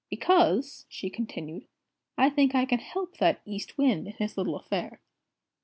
"Because," she continued, "I think I can help that East Wind in his little affair."